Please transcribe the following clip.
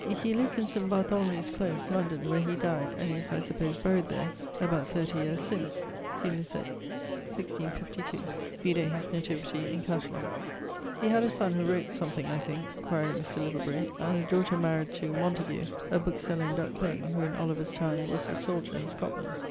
He lived in St. Bartholomew's close, London, where he dyed, and is, I suppose, buried there, about 30 yeares since[H], scil. 1652. Vide his nativity in Catalogue[I]. He had a sonne who wrote something, I thinke (quaere Mr. Littlebury); and a daughter maried to ... Montague, a bookeseller in Duck lane, who in Oliver's time was a soldier in Scotland.